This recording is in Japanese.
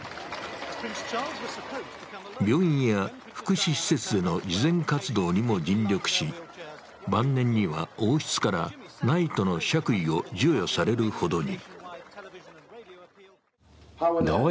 病院や福祉施設への慈善活動にも尽力し、晩年には、王室からナイトの爵位を授与されるほどに。